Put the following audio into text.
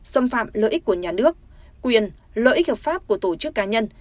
xâm phạm lợi ích của nhà nước quyền lợi ích hợp pháp của tổ chức cá nhân